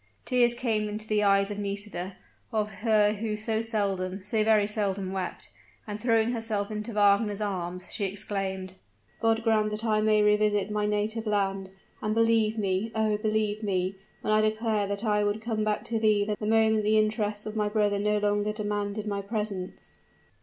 Tears came into the eyes of Nisida of her who so seldom, so very seldom wept; and throwing herself into Wagner's arms, she exclaimed, "God grant that I may revisit my native land; and believe me, oh! believe me, when I declare that I would come back to thee the moment the interests of my brother no longer demanded my presence!"